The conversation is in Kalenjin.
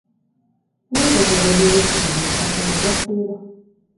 mi kochabegei tibiik asigoba siiro